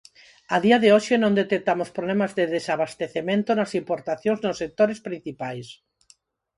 A día de hoxe non detectamos problemas de desabastecemento nas importacións nos sectores principais.